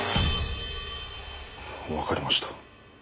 分かりました。